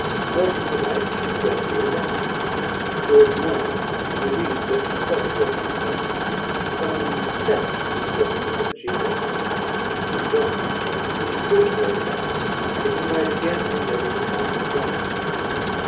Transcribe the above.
Most of the night she spent here watching; towards morning she believed that she slept for a few minutes; some steps disturbed her, and she awoke. It was dawn, and she quitted her asylum, that she might again endeavour to find my brother.